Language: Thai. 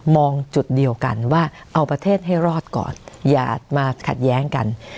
จุดเดียวกันว่าเอาประเทศให้รอดก่อนอย่ามาขัดแย้งกัน